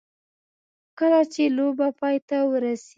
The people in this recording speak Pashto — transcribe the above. کله چې لوبه پای ته ورسېږي.